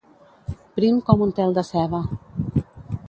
Prim com un tel de ceba